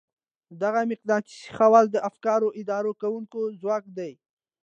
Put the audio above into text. دغه مقناطيسي خواص د افکارو اداره کوونکی ځواک دی.